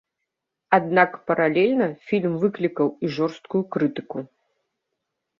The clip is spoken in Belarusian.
Аднак паралельна фільм выклікаў і жорсткую крытыку.